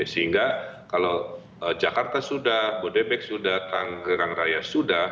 sehingga kalau jakarta sudah bodebek sudah tangerang raya sudah